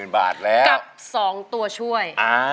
๐บาทแล้วกับ๒ตัวช่วย